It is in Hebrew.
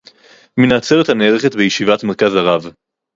"מן העצרת הנערכת בישיבת "מרכז הרב"